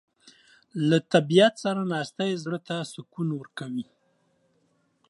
له طبیعت سره ناستې زړه ته سکون ورکوي.